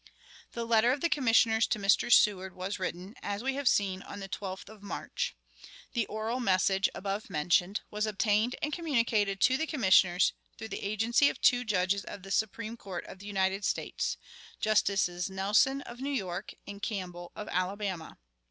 The letter of the Commissioners to Mr. Seward was written, as we have seen, on the 12th of March. The oral message, above mentioned, was obtained and communicated to the Commissioners through the agency of two Judges of the Supreme Court of the United States Justices Nelson, of New York, and Campbell, of Alabama.